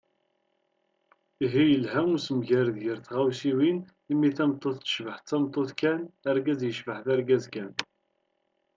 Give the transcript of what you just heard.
Ihi, yelha usemgarad gar tɣawsiwin, imi tameṭṭut tecbeḥ d tameṭṭut kan, argaz yecbeḥ d argaz kan.